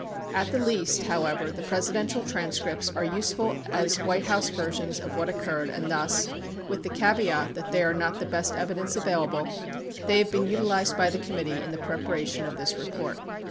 44 At the least, however the Presidential transcripts are useful as White House versions of what occurred and thus— with the caveat that they are not the best evidence available — they have been utilized by the committee in the preparation of this report.